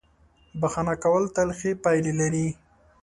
• بښنه کول تل ښې پایلې لري.